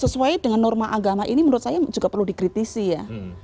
sesuai dengan norma agama ini menurut saya juga perlu dikritisi ya